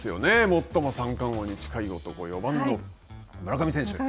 最も三冠王に近い男４番の村上選手。